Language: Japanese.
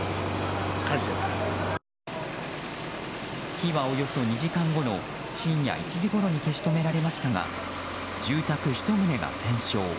火は、およそ２時間後の深夜１時ごろに消し止められましたが住宅１棟が全焼。